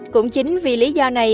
cũng chính vì lý do này